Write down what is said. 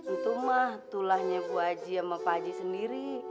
untung mah tulahnya bu haji sama pak haji sendiri